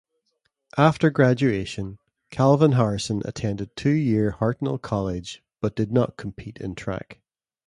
After graduation, Calvin Harrison attended two-year Hartnell College, but did not compete in track.